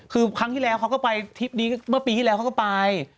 คือครั้งที่แล้วเขาก็ไปทริปนี้เมื่อปีที่แล้วเขาก็ไป